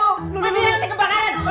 aduh awas gak